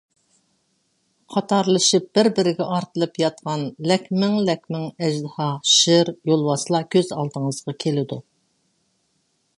قاتارلىشىپ بىر-بىرگە ئارتىلىپ ياتقان لەكمىڭ-لەكمىڭ ئەجدىھا، شىر، يولۋاسلار كۆز ئالدىڭىزغا كېلىدۇ.